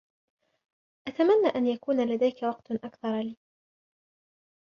أتمنى أن يكون لديك وقت أكثر لي.